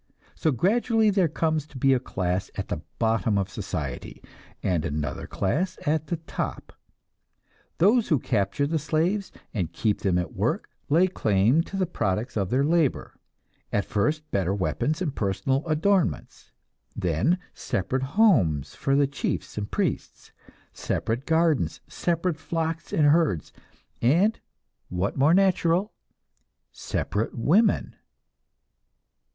So gradually there comes to be a class at the bottom of society, and another class at the top. Those who capture the slaves and keep them at work lay claim to the products of their labor at first better weapons and personal adornments, then separate homes for the chiefs and priests, separate gardens, separate flocks and herds, and what more natural? separate women.